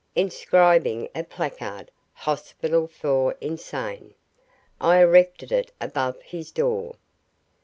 Inscribing a placard "Hospital for Insane", I erected it above his door.